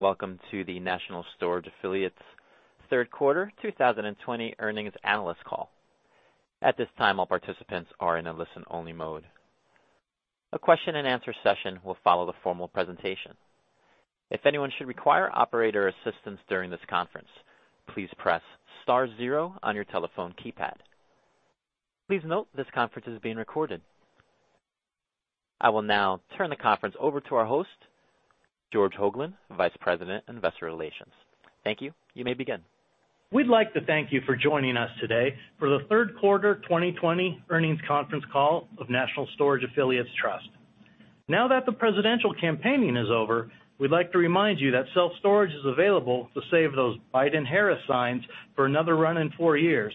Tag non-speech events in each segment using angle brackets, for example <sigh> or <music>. Welcome to the National Storage Affiliates third quarter 2020 earnings analyst call. A this time, all participants are in a listen only mode. A question and answer session will follow the formal presentation. If anyone should require operator assistance during this conference, please press star zero on your telephone keypad. Please note that this conference is being recorded. I will now turn the conference over to our host, George Hoglund, Vice President of Investor Relations. Thank you. You may begin. We'd like to thank you for joining us today for the third quarter 2020 earnings conference call of National Storage Affiliates Trust. Now that the presidential campaigning is over, we'd like to remind you that self-storage is available to save those Biden/Harris signs for another run in four years.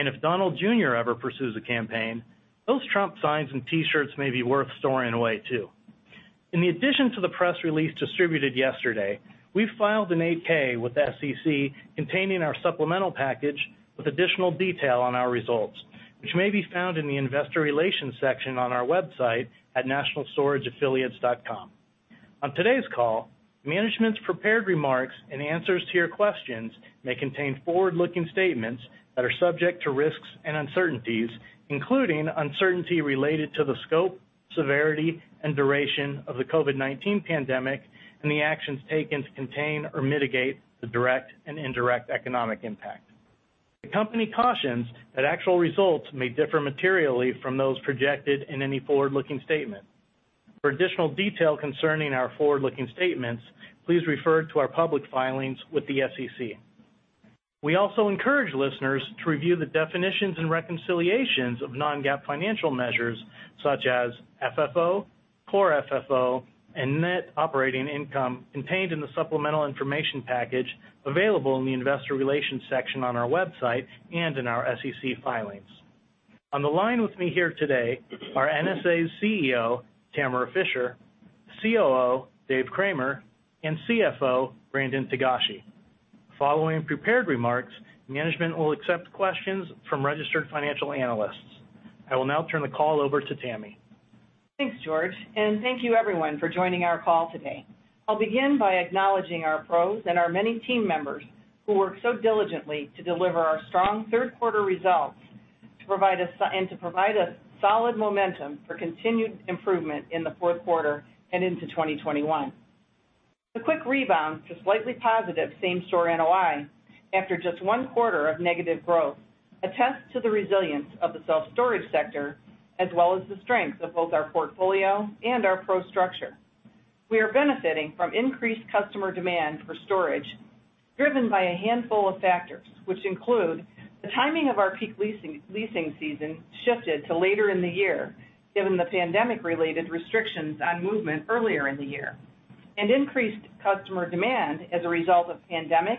If Donald Jr. ever pursues a campaign, those Trump signs and T-shirts may be worth storing away, too. In addition to the press release distributed yesterday, we filed an 8-K with the SEC containing our supplemental package with additional detail on our results, which may be found in the investor relations section on our website at nationalstorageaffiliates.com. On today's call, management's prepared remarks and answers to your questions may contain forward-looking statements that are subject to risks and uncertainties, including uncertainty related to the scope, severity, and duration of the COVID-19 pandemic and the actions taken to contain or mitigate the direct and indirect economic impact. The company cautions that actual results may differ materially from those projected in any forward-looking statement. For additional detail concerning our forward-looking statements, please refer to our public filings with the SEC. We also encourage listeners to review the definitions and reconciliations of non-GAAP financial measures such as FFO, Core FFO, and net operating income contained in the supplemental information package available in the investor relations section on our website and in our SEC filings. On the line with me here today are NSA's CEO, Tamara Fischer, COO, David Cramer, and CFO, Brandon Togashi. Following prepared remarks, management will accept questions from registered financial analysts. I will now turn the call over to Tammy. Thanks, George, and thank you everyone for joining our call today. I'll begin by acknowledging our PROs and our many team members who work so diligently to deliver our strong third-quarter results, and to provide a solid momentum for continued improvement in the fourth quarter and into 2021. The quick rebound to slightly positive same-store NOI after just one quarter of negative growth attests to the resilience of the self-storage sector, as well as the strength of both our portfolio and our PRO structure. We are benefiting from increased customer demand for storage, driven by a handful of factors, which include the timing of our peak leasing season shifted to later in the year, given the pandemic-related restrictions on movement earlier in the year, and increased customer demand as a result of pandemic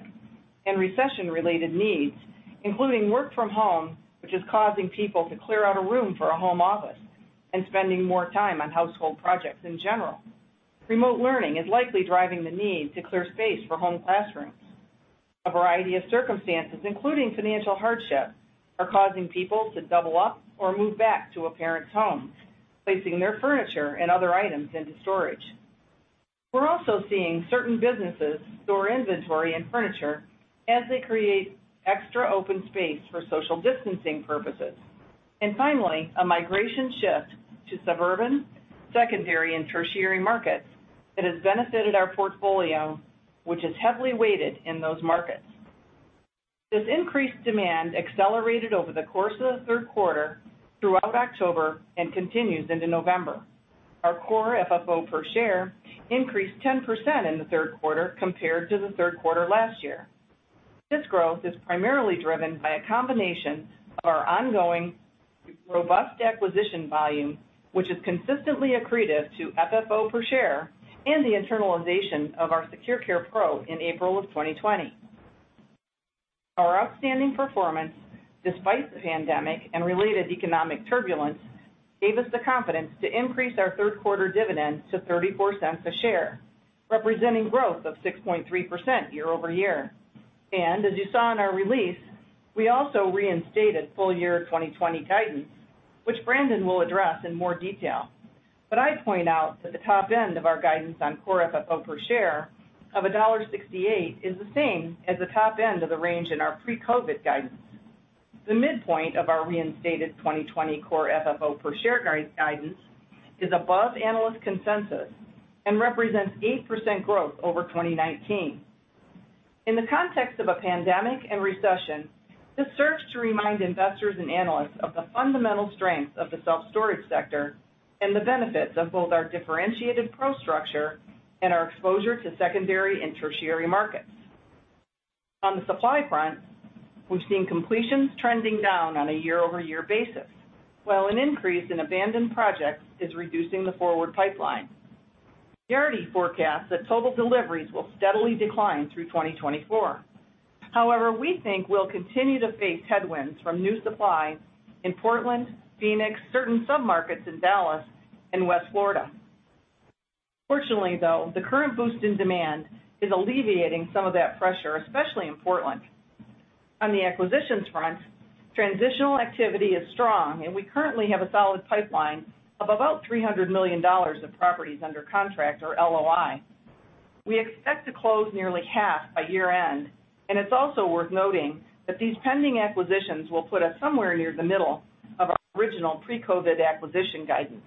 and recession-related needs, including work from home, which is causing people to clear out a room for a home office and spending more time on household projects in general. Remote learning is likely driving the need to clear space for home classrooms. A variety of circumstances, including financial hardship, are causing people to double up or move back to a parent's home, placing their furniture and other items into storage. We're also seeing certain businesses store inventory and furniture as they create extra open space for social distancing purposes. Finally, a migration shift to suburban, secondary, and tertiary markets that has benefited our portfolio, which is heavily weighted in those markets. This increased demand accelerated over the course of the third quarter throughout October and continues into November. Our Core FFO per share increased 10% in the third quarter compared to the third quarter last year. This growth is primarily driven by a combination of our ongoing robust acquisition volume, which is consistently accretive to FFO per share, and the internalization of our SecurCare PRO in April of 2020. Our outstanding performance, despite the pandemic and related economic turbulence, gave us the confidence to increase our third-quarter dividend to $0.34 a share, representing growth of 6.3% year-over-year. As you saw in our release, we also reinstated full-year 2020 guidance, which Brandon will address in more detail. I'd point out that the top end of our guidance on Core FFO per share of $1.68 is the same as the top end of the range in our pre-COVID guidance. The midpoint of our reinstated 2020 Core FFO per share guidance is above analyst consensus and represents 8% growth over 2019. In the context of a pandemic and recession, this serves to remind investors and analysts of the fundamental strength of the self-storage sector and the benefits of both our differentiated PRO structure and our exposure to secondary and tertiary markets. On the supply front, we've seen completions trending down on a year-over-year basis, while an increase in abandoned projects is reducing the forward pipeline. Yardi forecasts that total deliveries will steadily decline through 2024. We think we'll continue to face headwinds from new supply in Portland, Phoenix, certain submarkets in Dallas, and West Florida. Fortunately, though, the current boost in demand is alleviating some of that pressure, especially in Portland. On the acquisitions front, transitional activity is strong, and we currently have a solid pipeline of about $300 million of properties under contract or LOI. We expect to close nearly half by year-end. It's also worth noting that these pending acquisitions will put us somewhere near the middle of our original pre-COVID acquisition guidance.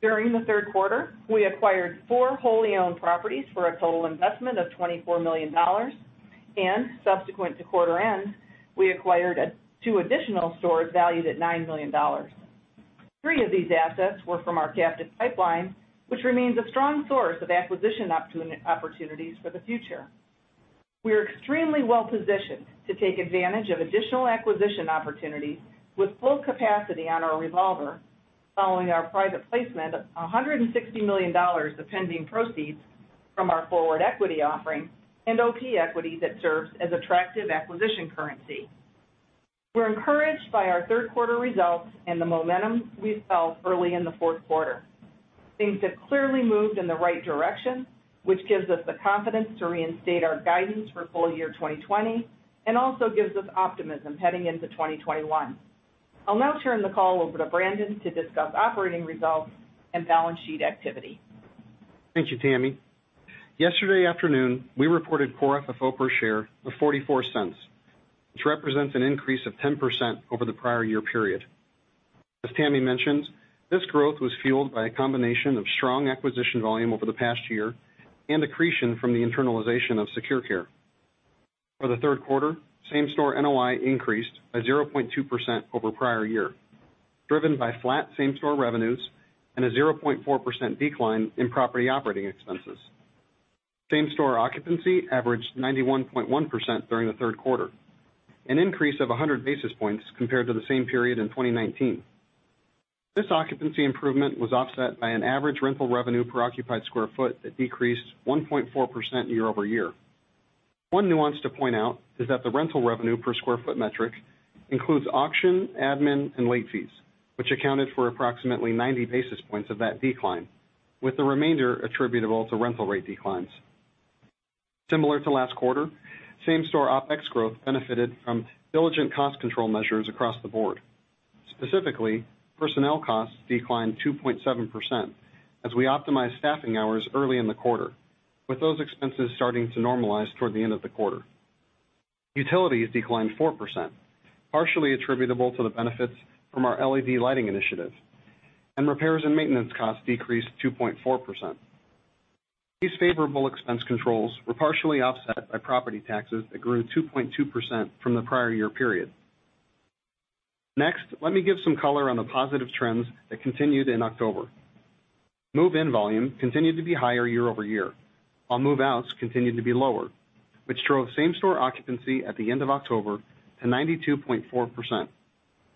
During the third quarter, we acquired four wholly owned properties for a total investment of $24 million. Subsequent to quarter end, we acquired two additional stores valued at $9 million. Three of these assets were from our captive pipeline, which remains a strong source of acquisition opportunities for the future. We are extremely well-positioned to take advantage of additional acquisition opportunities with full capacity on our revolver following our private placement of $160 million of pending proceeds from our forward equity offering and OP Equity that serves as attractive acquisition currency. We're encouraged by our third quarter results and the momentum we've felt early in the fourth quarter. Things have clearly moved in the right direction, which gives us the confidence to reinstate our guidance for full year 2020 and also gives us optimism heading into 2021. I'll now turn the call over to Brandon to discuss operating results and balance sheet activity. Thank you, Tammy. Yesterday afternoon, we reported Core FFO per share of $0.44, which represents an increase of 10% over the prior year period. As Tammy mentioned, this growth was fueled by a combination of strong acquisition volume over the past year and accretion from the internalization of SecurCare. For the third quarter, same-store NOI increased by 0.2% over prior year, driven by flat same-store revenues and a 0.4% decline in property operating expenses. Same-store occupancy averaged 91.1% during the third quarter, an increase of 100 basis points compared to the same period in 2019. This occupancy improvement was offset by an average rental revenue per occupied square foot that decreased 1.4% year-over-year. One nuance to point out is that the rental revenue per square foot metric includes auction, admin, and late fees, which accounted for approximately 90 basis points of that decline, with the remainder attributable to rental rate declines. Similar to last quarter, same-store OpEx growth benefited from diligent cost control measures across the board. Specifically, personnel costs declined 2.7% as we optimized staffing hours early in the quarter, with those expenses starting to normalize toward the end of the quarter. Utilities declined 4%, partially attributable to the benefits from our LED lighting initiative, and repairs and maintenance costs decreased 2.4%. These favorable expense controls were partially offset by property taxes that grew 2.2% from the prior year period. Next, let me give some color on the positive trends that continued in October. Move-in volume continued to be higher year-over-year, while move-outs continued to be lower, which drove same-store occupancy at the end of October to 92.4%,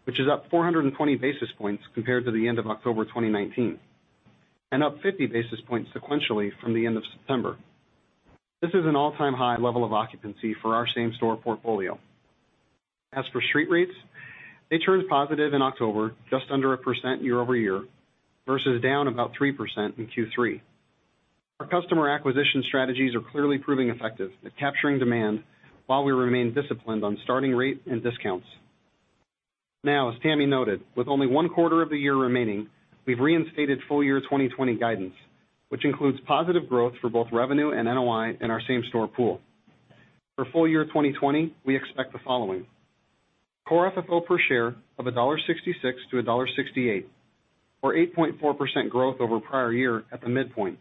which is up 420 basis points compared to the end of October 2019, and up 50 basis points sequentially from the end of September. This is an all-time high level of occupancy for our same-store portfolio. As for street rates, they turned positive in October just under 1% year-over-year, versus down about 3% in Q3. Our customer acquisition strategies are clearly proving effective at capturing demand while we remain disciplined on starting rate and discounts. Now, as Tammy noted, with only one quarter of the year remaining, we've reinstated full-year 2020 guidance, which includes positive growth for both revenue and NOI in our same-store pool. For full year 2020, we expect the following: Core FFO per share of $1.66-$1.68, or 8.4% growth over prior year at the midpoint.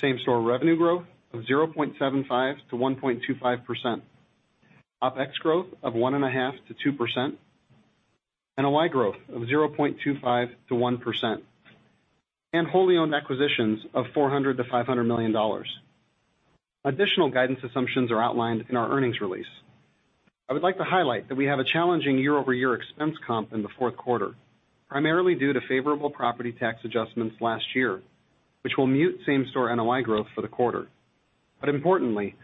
Same-store revenue growth of 0.75%-1.25%. OpEx growth of 1.5%-2%, NOI growth of 0.25%-1%, and wholly owned acquisitions of $400 million-$500 million. Additional guidance assumptions are outlined in our earnings release. I would like to highlight that we have a challenging year-over-year expense comp in the fourth quarter, primarily due to favorable property tax adjustments last year, which will mute same-store NOI growth for the quarter. Importantly,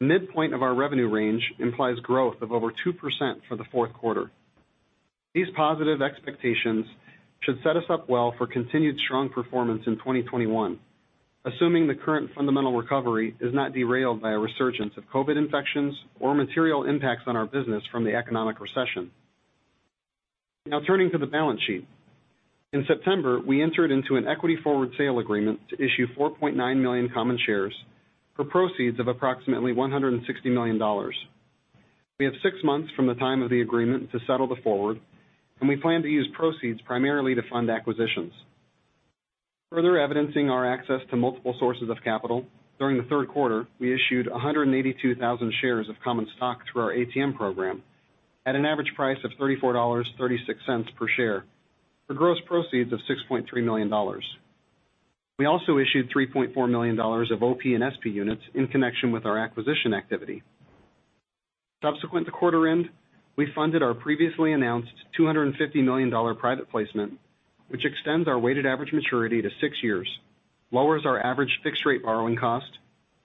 the midpoint of our revenue range implies growth of over 2% for the fourth quarter. These positive expectations should set us up well for continued strong performance in 2021, assuming the current fundamental recovery is not derailed by a resurgence of COVID-19 infections or material impacts on our business from the economic recession. Now turning to the balance sheet. In September, we entered into an equity forward sale agreement to issue 4.9 million common shares for proceeds of approximately $160 million. We have six months from the time of the agreement to settle the forward, and we plan to use proceeds primarily to fund acquisitions. Further evidencing our access to multiple sources of capital, during the third quarter, we issued 182,000 shares of common stock through our ATM program at an average price of $34.36 per share for gross proceeds of $6.3 million. We also issued $3.4 million of OP and SP units in connection with our acquisition activity. Subsequent to quarter end, we funded our previously announced $250 million private placement, which extends our weighted average maturity to six years, lowers our average fixed rate borrowing cost,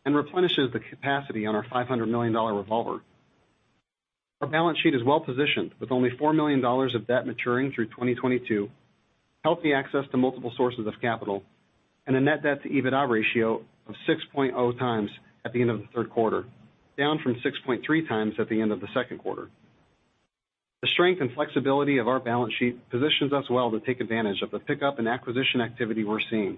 and replenishes the capacity on our $500 million revolver. Our balance sheet is well positioned with only $4 million of debt maturing through 2022. Healthy access to multiple sources of capital, and a net debt to EBITDA ratio of 6.0x at the end of the third quarter, down from 6.3x at the end of the second quarter. The strength and flexibility of our balance sheet positions us well to take advantage of the pickup in acquisition activity we're seeing.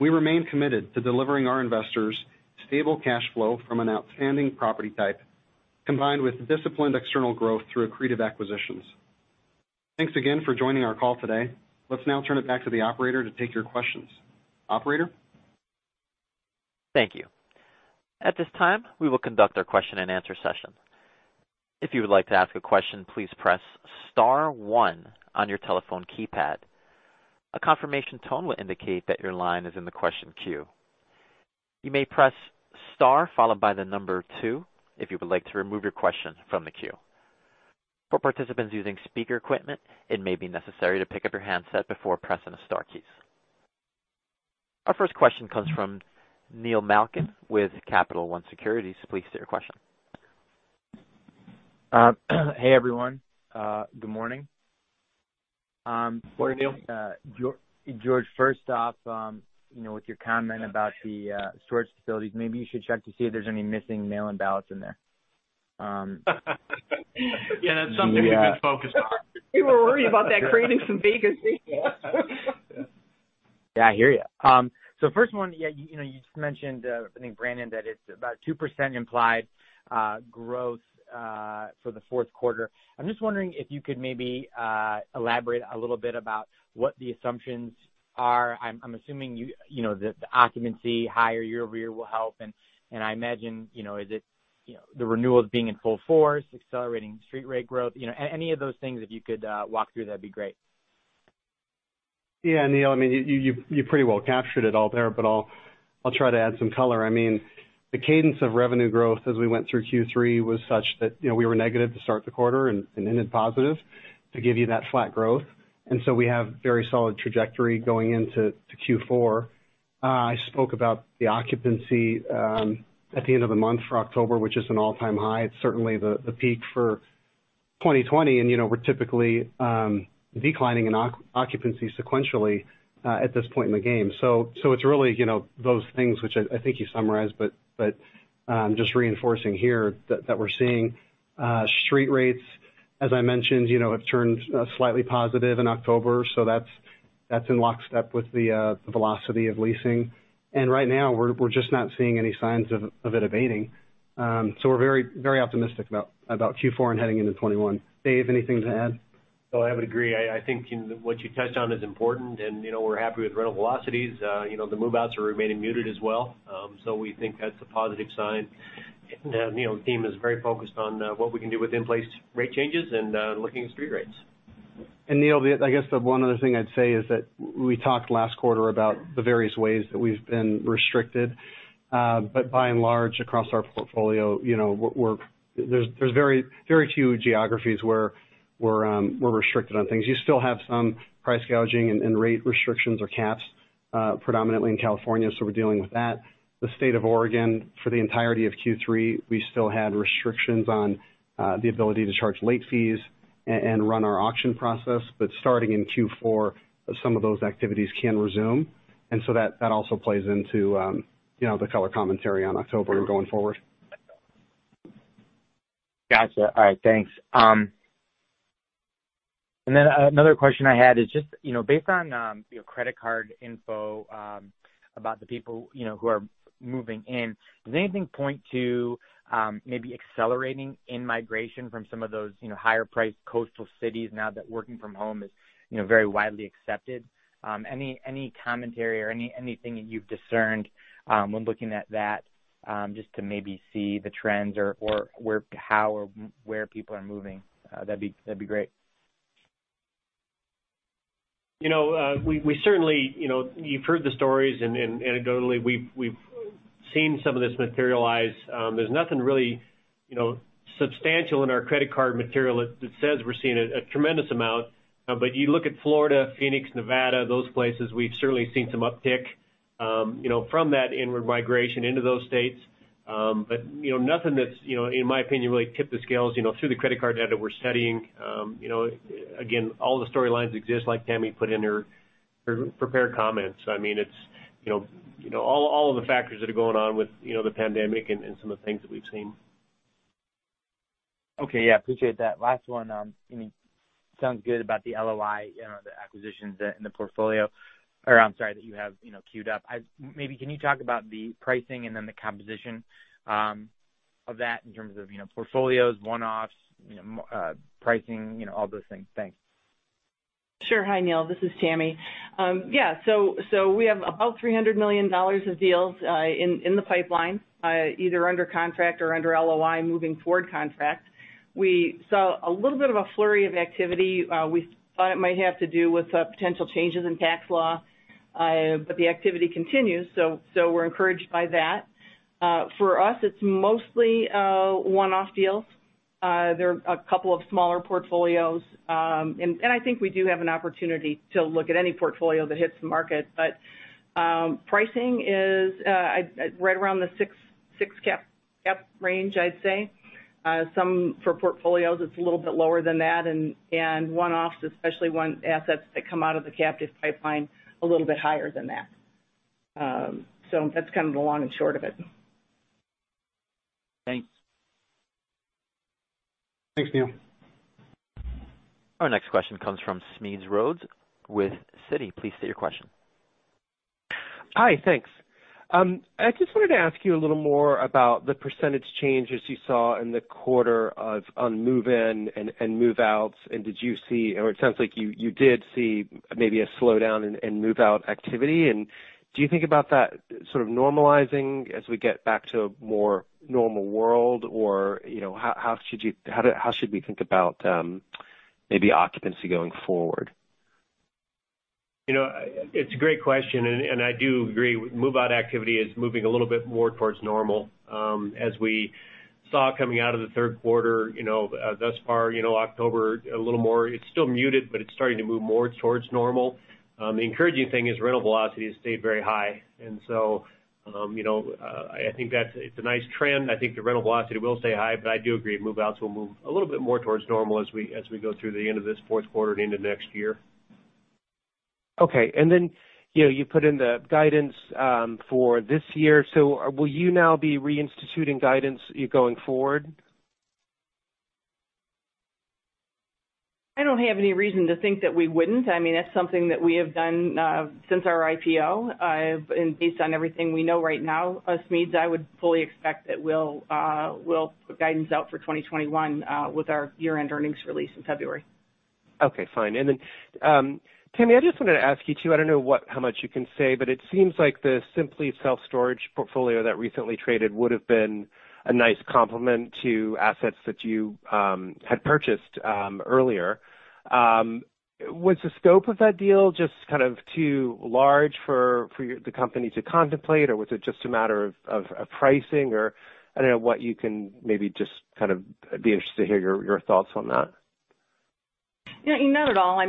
We remain committed to delivering our investors stable cash flow from an outstanding property type, combined with disciplined external growth through accretive acquisitions. Thanks again for joining our call today. Let's now turn it back to the operator to take your questions. Operator? Thank you. At this time, we will conduct our question and answer session. If you would like to ask question, please press star one on your telephone keypad. A confirmation tone will indicate that your line is in the question queue. You may press star followed by the number two, if you would like to remove your question from the queue. For participants using speaker equipment, it may be necessary to pick up your handset before pressing the star key. Our first question comes from Neil Malkin with Capital One Securities. Please state your question. Hey, everyone. Good morning. <audio distortion> George, first off, with your comment about the storage facilities, maybe you should check to see if there's any missing mail-in ballots in there. That's something we've been focused on. We were worried about that creating some vacancy. Yeah, I hear you. First one, you just mentioned, I think Brandon, that it's about 2% implied growth for the fourth quarter. I'm just wondering if you could maybe elaborate a little bit about what the assumptions are. I'm assuming the occupancy higher year-over-year will help, and I imagine is it the renewals being in full force, accelerating street rate growth? Any of those things, if you could walk through, that'd be great. Yeah, Neil, you pretty well captured it all there. I'll try to add some color. The cadence of revenue growth as we went through Q3 was such that we were negative to start the quarter and ended positive to give you that flat growth. We have very solid trajectory going into Q4. I spoke about the occupancy at the end of the month for October, which is an all-time high. It's certainly the peak for 2020. We're typically declining in occupancy sequentially at this point in the game. It's really those things, which I think you summarized, just reinforcing here that we're seeing street rates, as I mentioned, have turned slightly positive in October. Right now we're just not seeing any signs of it abating. We're very optimistic about Q4 and heading into 2021. Dave, anything to add? I would agree. I think what you touched on is important, and we're happy with rental velocities. The move-outs are remaining muted as well. We think that's a positive sign. The team is very focused on what we can do with in-place rate changes and looking at street rates. Neil, I guess the one other thing I'd say is that we talked last quarter about the various ways that we've been restricted. By and large, across our portfolio, there's very few geographies where we're restricted on things. You still have some price gouging and rate restrictions or caps, predominantly in California, we're dealing with that. The state of Oregon, for the entirety of Q3, we still had restrictions on the ability to charge late fees and run our auction process. Starting in Q4, some of those activities can resume. That also plays into the color commentary on October going forward. Got you. All right, thanks. Another question I had is just based on your credit card info about the people who are moving in, does anything point to maybe accelerating in-migration from some of those higher priced coastal cities now that working from home is very widely accepted? Any commentary or anything that you've discerned when looking at that, just to maybe see the trends or how or where people are moving? That'd be great. You've heard the stories, anecdotally, we've seen some of this materialize. There's nothing really substantial in our credit card material that says we're seeing a tremendous amount. You look at Florida, Phoenix, Nevada, those places, we've certainly seen some uptick from that inward migration into those states. Nothing that's, in my opinion, really tipped the scales through the credit card data we're studying. Again, all the storylines exist, like Tammy put in her prepared comments. All of the factors that are going on with the pandemic and some of the things that we've seen. Okay. Yeah, appreciate that. Last one. Sounds good about the LOI, the acquisitions in the portfolio. I'm sorry, that you have queued up. Maybe can you talk about the pricing and then the composition of that in terms of portfolios, one-offs, pricing, all those things? Thanks. Sure. Hi, Neil. This is Tammy. We have about $300 million of deals in the pipeline, either under contract or under LOI moving toward contract. We saw a little bit of a flurry of activity. We thought it might have to do with potential changes in tax law. The activity continues, so we're encouraged by that. For us, it's mostly one-off deals. There are a couple of smaller portfolios. I think we do have an opportunity to look at any portfolio that hits the market. Pricing is right around the six cap. Yep. Range, I'd say. Some for portfolios, it's a little bit lower than that, and one-offs, especially assets that come out of the captive pipeline, a little bit higher than that. That's kind of the long and short of it. Thanks. Thanks, Neil. Our next question comes from Smedes Rose with Citi. Please state your question. Hi, thanks. I just wanted to ask you a little more about the percent changes you saw in the quarter on move-in and move-outs. Did you see, or it sounds like you did see maybe a slowdown in move-out activity. Do you think about that sort of normalizing as we get back to a more normal world? How should we think about maybe occupancy going forward? It's a great question, and I do agree. Move-out activity is moving a little bit more towards normal. As we saw coming out of the third quarter, thus far, October, a little more. It's still muted, but it's starting to move more towards normal. The encouraging thing is rental velocity has stayed very high, and so, I think it's a nice trend. I think the rental velocity will stay high, but I do agree, move-outs will move a little bit more towards normal as we go through the end of this fourth quarter and into next year. Okay. You put in the guidance for this year. Will you now be reinstituting guidance going forward? I don't have any reason to think that we wouldn't. That's something that we have done since our IPO. Based on everything we know right now, Smedes, I would fully expect that we'll put guidance out for 2021 with our year-end earnings release in February. Okay, fine. Tammy, I just wanted to ask you too, I don't know how much you can say, but it seems like the Simply Self Storage portfolio that recently traded would've been a nice complement to assets that you had purchased earlier. Was the scope of that deal just kind of too large for the company to contemplate, or was it just a matter of pricing, or I don't know what you can maybe just kind of be interested to hear your thoughts on that. Not at all. I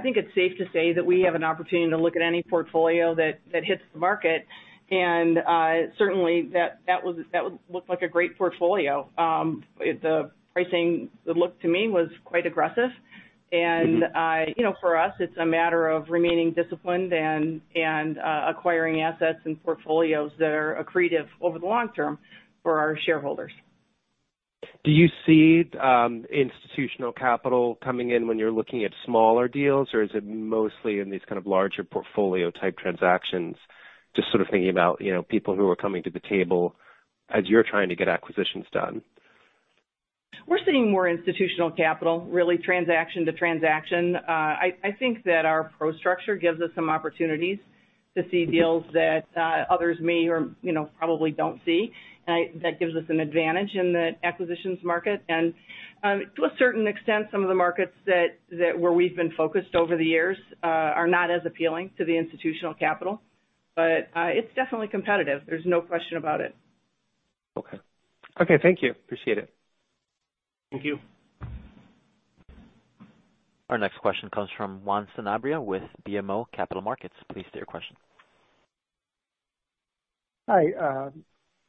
think it's safe to say that we have an opportunity to look at any portfolio that hits the market, and certainly that looked like a great portfolio. The pricing, it looked to me, was quite aggressive. For us, it's a matter of remaining disciplined and acquiring assets and portfolios that are accretive over the long term for our shareholders. Do you see institutional capital coming in when you're looking at smaller deals, or is it mostly in these kind of larger portfolio-type transactions? Just sort of thinking about people who are coming to the table as you're trying to get acquisitions done. We're seeing more institutional capital, really transaction to transaction. I think that our PRO structure gives us some opportunities to see deals that others may or probably don't see. That gives us an advantage in the acquisitions market. To a certain extent, some of the markets where we've been focused over the years are not as appealing to the institutional capital. It's definitely competitive. There's no question about it. Okay. Thank you. Appreciate it. Thank you. Our next question comes from Juan Sanabria with BMO Capital Markets. Please state your question. Hi.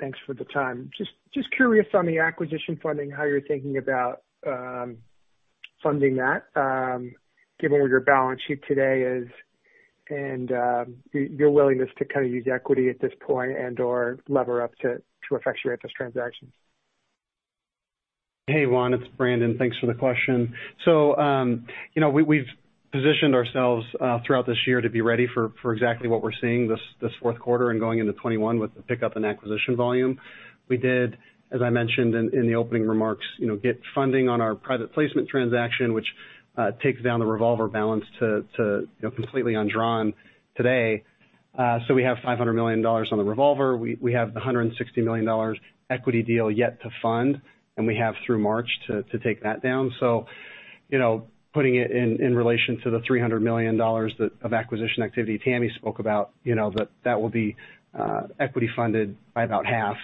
Thanks for the time. Just curious on the acquisition funding, how you're thinking about funding that given where your balance sheet today is and your willingness to kind of use equity at this point and/or lever up to effectuate this transaction? Hey, Juan, it's Brandon. Thanks for the question. We've positioned ourselves throughout this year to be ready for exactly what we're seeing this fourth quarter and going into 2021 with the pickup in acquisition volume. We did, as I mentioned in the opening remarks, get funding on our private placement transaction, which takes down the revolver balance to completely undrawn today. We have $500 million on the revolver. We have the $160 million equity deal yet to fund, and we have through March to take that down. Putting it in relation to the $300 million of acquisition activity Tammy spoke about, that will be equity funded by about half,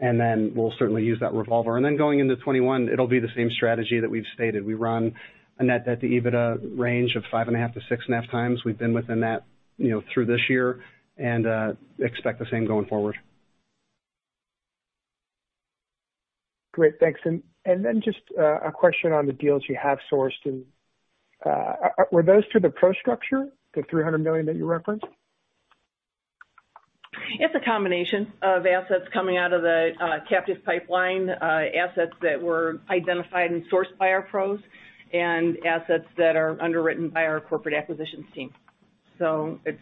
and then we'll certainly use that revolver. Going into 2021, it'll be the same strategy that we've stated. We run a net debt to EBITDA range of 5.5x-6.5x. We've been within that through this year and expect the same going forward. Great. Thanks. Just a question on the deals you have sourced. Were those through the PRO structure, the $300 million that you referenced? It's a combination of assets coming out of the captive pipeline, assets that were identified and sourced by our PROs, and assets that are underwritten by our corporate acquisitions team. It's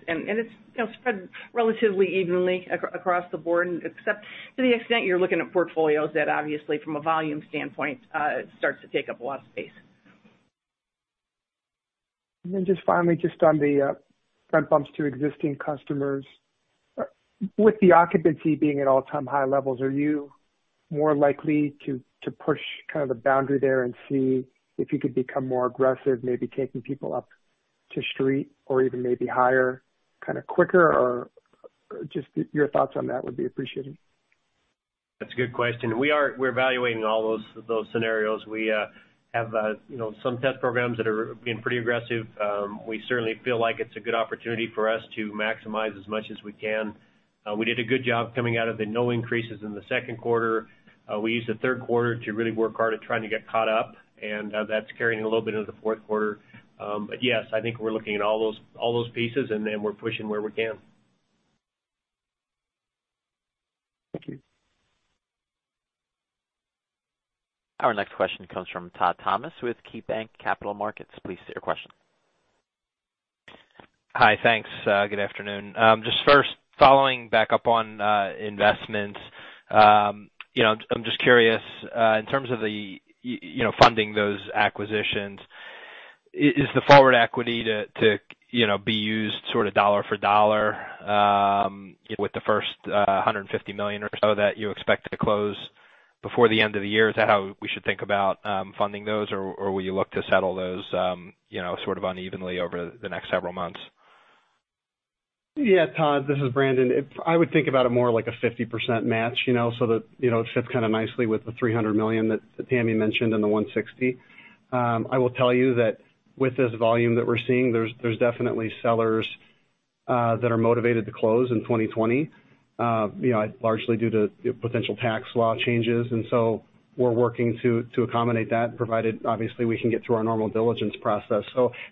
spread relatively evenly across the board, except to the extent you're looking at portfolios that obviously from a volume standpoint starts to take up a lot of space. Just finally, just on the rent bumps to existing customers. With the occupancy being at all-time high levels, are you more likely to push kind of the boundary there and see if you could become more aggressive, maybe taking people up to street or even maybe higher kind of quicker, or just your thoughts on that would be appreciated? That's a good question. We're evaluating all those scenarios. We have some test programs that are being pretty aggressive. We certainly feel like it's a good opportunity for us to maximize as much as we can. We did a good job coming out of the no increases in the second quarter. We used the third quarter to really work hard at trying to get caught up, and that's carrying a little bit into the fourth quarter. Yes, I think we're looking at all those pieces and then we're pushing where we can. Thank you. Our next question comes from Todd Thomas with KeyBanc Capital Markets. Please state your question. Hi. Thanks. Good afternoon. Just first following back up on investments, I'm just curious, in terms of the funding those acquisitions, is the forward equity to be used sort of dollar for dollar with the first $150 million or so that you expect to close before the end of the year? Is that how we should think about funding those, or will you look to settle those sort of unevenly over the next several months? Yeah, Todd, this is Brandon. I would think about it more like a 50% match, so that it sits kind of nicely with the $300 million that Tammy mentioned and the $160. I will tell you that with this volume that we're seeing, there's definitely sellers that are motivated to close in 2020, largely due to potential tax law changes. We're working to accommodate that provided, obviously, we can get through our normal diligence process.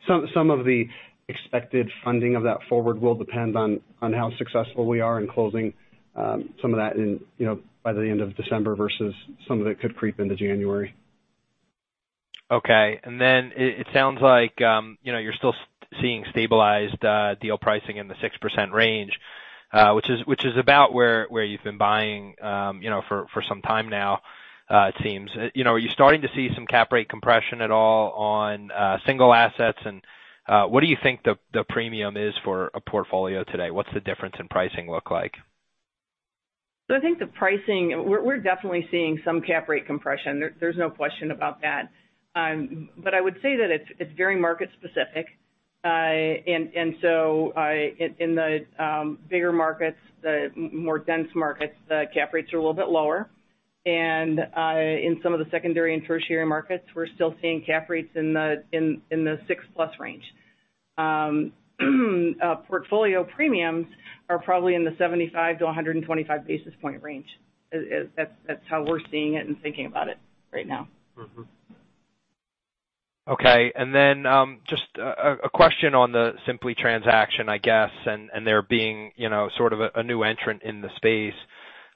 Some of the expected funding of that forward will depend on how successful we are in closing some of that by the end of December versus some of it could creep into January. Okay. It sounds like you're still seeing stabilized deal pricing in the 6% range, which is about where you've been buying for some time now, it seems. Are you starting to see some cap rate compression at all on single assets? What do you think the premium is for a portfolio today? What's the difference in pricing look like? I think the pricing, we're definitely seeing some cap rate compression. There's no question about that. I would say that it's very market specific. In the bigger markets, the more dense markets, the cap rates are a little bit lower. In some of the secondary and tertiary markets, we're still seeing cap rates in the 6x range. Portfolio premiums are probably in the 75 to 125 basis point range. That's how we're seeing it and thinking about it right now. Mm-hmm. Okay. Then just a question on the Simply transaction, I guess, and there being sort of a new entrant in the space.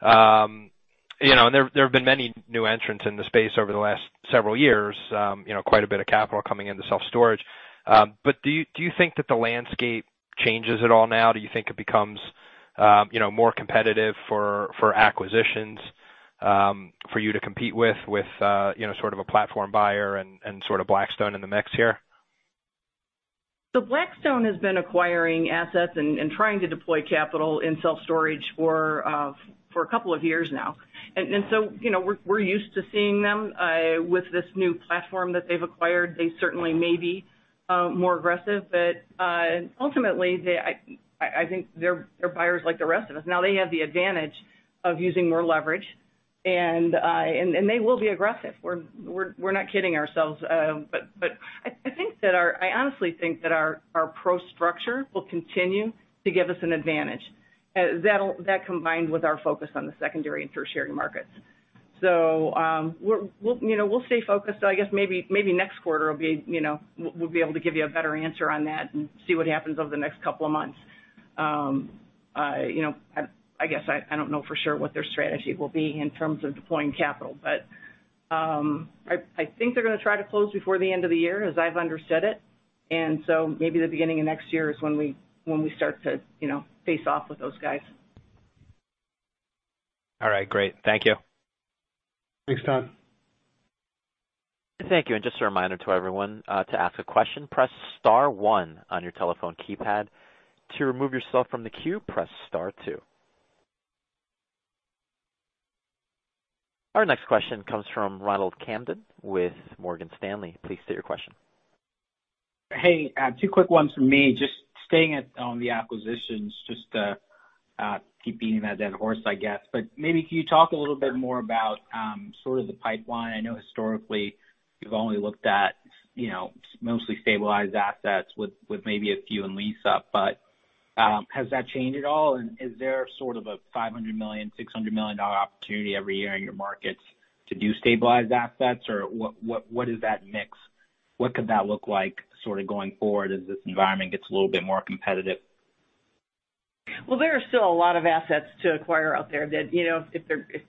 There have been many new entrants in the space over the last several years, quite a bit of capital coming into self-storage. Do you think that the landscape changes at all now? Do you think it becomes more competitive for acquisitions for you to compete with sort of a platform buyer and sort of Blackstone in the mix here? Blackstone has been acquiring assets and trying to deploy capital in self-storage for a couple of years now. We're used to seeing them. With this new platform that they've acquired, they certainly may be more aggressive. Ultimately, I think they're buyers like the rest of us. Now they have the advantage of using more leverage and they will be aggressive. We're not kidding ourselves. I honestly think that our PRO structure will continue to give us an advantage. That combined with our focus on the secondary and tertiary markets. We'll stay focused. I guess maybe next quarter we'll be able to give you a better answer on that and see what happens over the next couple of months. I guess I don't know for sure what their strategy will be in terms of deploying capital. I think they're going to try to close before the end of the year, as I've understood it. Maybe the beginning of next year is when we start to face off with those guys. All right. Great. Thank you. Thanks, Todd. Just a reminder to everyone to ask a question, press star one on your telephone keypad. To remove yourself from the queue, press star two. Our next question comes from Ronald Kamdem with Morgan Stanley. Please state your question. Hey, two quick ones from me. Staying on the acquisitions, to keep beating a dead horse, I guess, maybe can you talk a little bit more about sort of the pipeline? I know historically you've only looked at mostly stabilized assets with maybe a few in lease-up, has that changed at all? Is there sort of a $500 million, $600 million opportunity every year in your markets to do stabilized assets? What is that mix? What could that look like sort of going forward as this environment gets a little bit more competitive? Well, there are still a lot of assets to acquire out there that if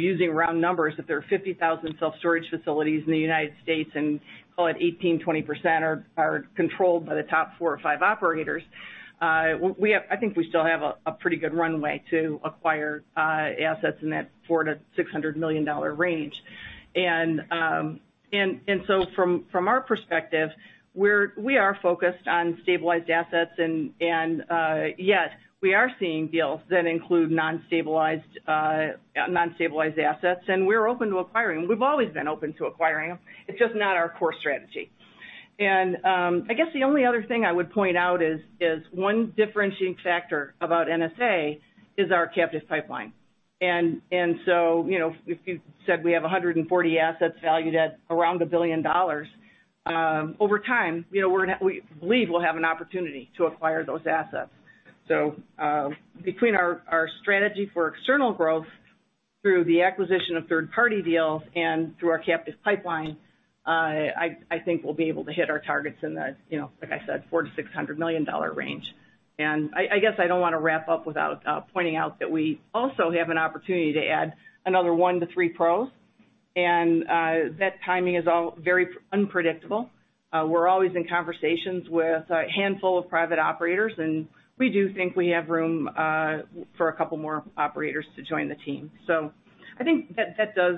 using round numbers, if there are 50,000 self-storage facilities in the United States and call it 18%, 20% are controlled by the top four or five operators, I think we still have a pretty good runway to acquire assets in that $400 million-$600 million range. From our perspective, we are focused on stabilized assets and yes, we are seeing deals that include non-stabilized assets, and we're open to acquiring them. We've always been open to acquiring them. It's just not our core strategy. I guess the only other thing I would point out is one differentiating factor about NSA is our captive pipeline. If you said we have 140 assets valued at around $1 billion, over time, we believe we'll have an opportunity to acquire those assets. Between our strategy for external growth through the acquisition of third-party deals and through our captive pipeline, I think we'll be able to hit our targets in the, like I said, $400 million-$600 million range. I guess I don't want to wrap up without pointing out that we also have an opportunity to add another one to three PROs, and that timing is all very unpredictable. We're always in conversations with a handful of private operators, and we do think we have room for a couple more operators to join the team. I think that does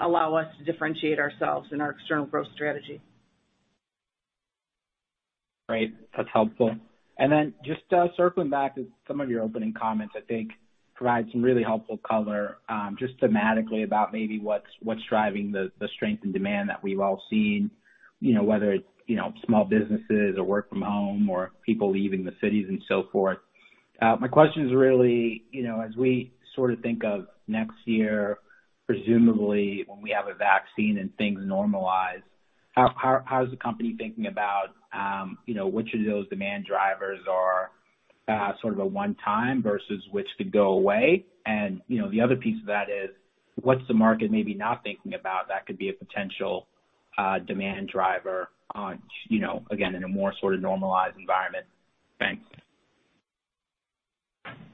allow us to differentiate ourselves in our external growth strategy. Great. That's helpful. Just circling back to some of your opening comments, I think provide some really helpful color, just thematically about maybe what's driving the strength and demand that we've all seen, whether it's small businesses or work from home or people leaving the cities and so forth. My question is really, as we sort of think of next year, presumably when we have a vaccine and things normalize, how is the company thinking about which of those demand drivers are sort of a one time versus which could go away? The other piece of that is what's the market maybe not thinking about that could be a potential demand driver, again, in a more sort of normalized environment? Thanks.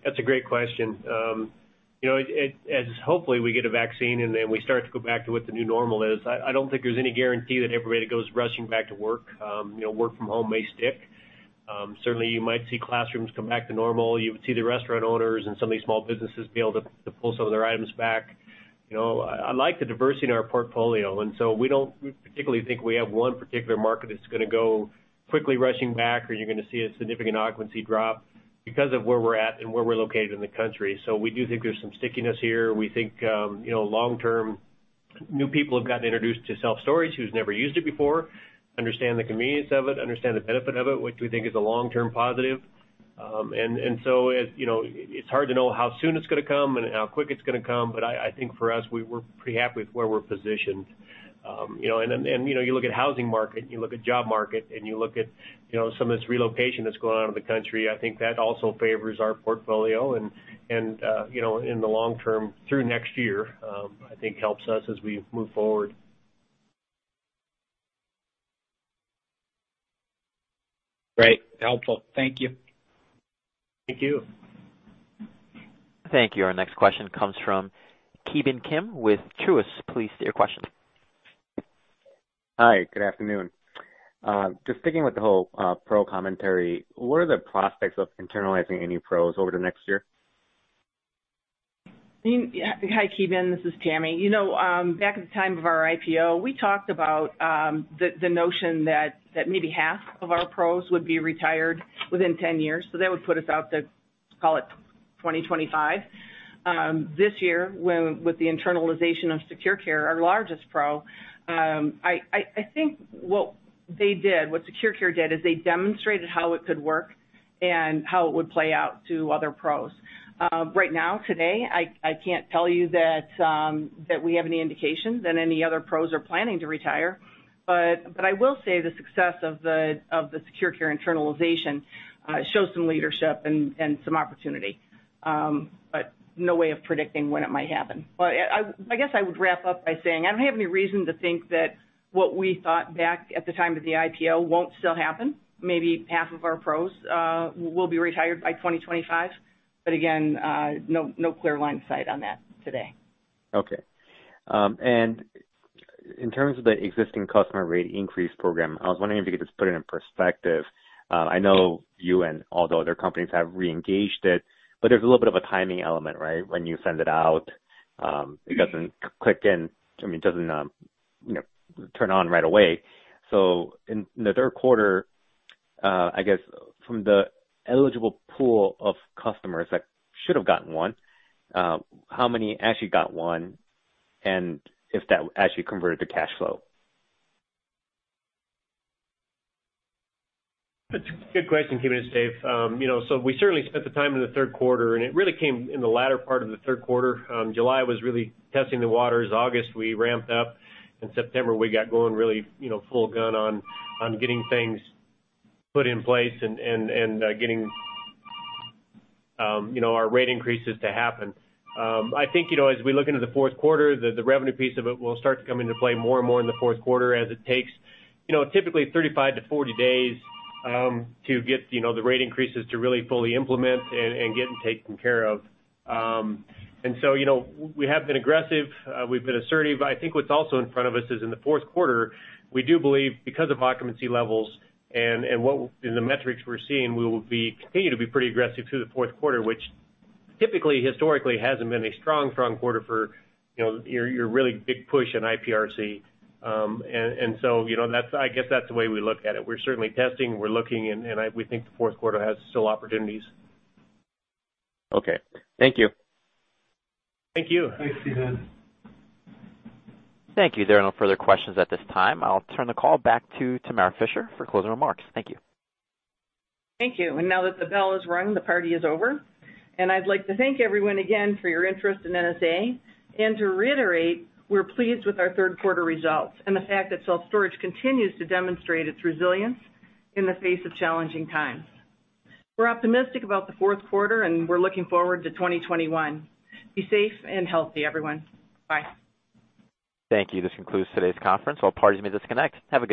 That's a great question. As hopefully we get a vaccine and then we start to go back to what the new normal is, I don't think there's any guarantee that everybody goes rushing back to work. Work from home may stick. Certainly, you might see classrooms come back to normal. You would see the restaurant owners and some of these small businesses be able to pull some of their items back. I like the diversity in our portfolio, and so we don't particularly think we have one particular market that's going to go quickly rushing back, or you're going to see a significant occupancy drop because of where we're at and where we're located in the country. We do think there's some stickiness here. We think long-term new people have gotten introduced to self-storage who's never used it before, understand the convenience of it, understand the benefit of it, which we think is a long-term positive. It's hard to know how soon it's going to come and how quick it's going to come, but I think for us, we were pretty happy with where we're positioned. You look at housing market, and you look at job market, and you look at some of this relocation that's going on in the country, I think that also favors our portfolio and in the long term, through next year, I think helps us as we move forward. Great. Helpful. Thank you. Thank you. Thank you. Our next question comes from Ki Bin Kim with Truist. Please state your question. Hi, good afternoon. Sticking with the whole PRO commentary, what are the prospects of internalizing any PROs over the next year? Hi, Ki Bin, this is Tammy. Back at the time of our IPO, we talked about the notion that maybe half of our PROs would be retired within 10 years. That would put us out to call it 2025. This year, with the internalization of SecurCare, our largest PRO, I think what SecurCare did, is they demonstrated how it could work and how it would play out to other PROs. Right now, today, I can't tell you that we have any indication that any other PROs are planning to retire. I will say the success of the SecurCare internalization shows some leadership and some opportunity, but no way of predicting when it might happen. I guess I would wrap up by saying I don't have any reason to think that what we thought back at the time of the IPO won't still happen. Maybe half of our PROs will be retired by 2025, but again, no clear line of sight on that today. Okay. In terms of the existing customer rate increase program, I was wondering if you could just put it in perspective. I know you and all the other companies have re-engaged it, but there's a little bit of a timing element, right? When you send it out, it doesn't click in. I mean, it doesn't turn on right away. In the third quarter, I guess from the eligible pool of customers that should have gotten one, how many actually got one? If that actually converted to cash flow. That's a good question, Ki Bin. It's Dave. We certainly spent the time in the third quarter, and it really came in the latter part of the third quarter. July was really testing the waters. August we ramped up. In September, we got going really full gun on getting things put in place and getting our rate increases to happen. I think as we look into the fourth quarter, the revenue piece of it will start to come into play more and more in the fourth quarter as it takes typically 35-40 days to get the rate increases to really fully implement and get taken care of. We have been aggressive. We've been assertive. I think what's also in front of us is in the fourth quarter, we do believe because of occupancy levels and the metrics we're seeing, we will continue to be pretty aggressive through the fourth quarter, which typically historically hasn't been a strong quarter for your really big push in IPRC. I guess that's the way we look at it. We're certainly testing, we're looking, and we think the fourth quarter has still opportunities. Okay. Thank you. Thank you. Thanks, Ki Bin. Thank you. There are no further questions at this time. I'll turn the call back to Tamara Fischer for closing remarks. Thank you. Thank you. Now that the bell has rung, the party is over. I'd like to thank everyone again for your interest in NSA and to reiterate we're pleased with our third quarter results and the fact that self-storage continues to demonstrate its resilience in the face of challenging times. We're optimistic about the fourth quarter, and we're looking forward to 2021. Be safe and healthy, everyone. Bye. Thank you. This concludes today's conference. All parties may disconnect. Have a good afternoon.